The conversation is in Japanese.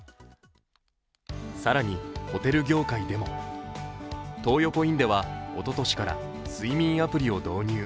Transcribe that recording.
更にホテル業界でも東横インではおととしから「すいみん」アプリを導入。